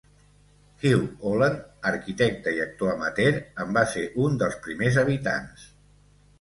Hugh Holland, arquitecte i actor amateur, en va ser un dels primers habitants.